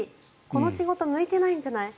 この仕事向いてないんじゃない？